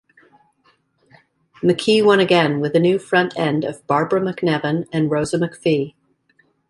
McKee won again, with a new front end of Barbara MacNevin and Rosa McFee.